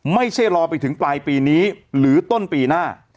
ไม่ใช่รอไปถึงปลายปีนี้หรือต้นปีหน้า